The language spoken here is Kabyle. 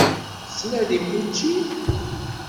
Tettnadimt učči?